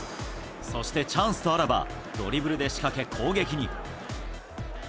そして、チャンスとあらばドリブルで仕掛け、攻撃に。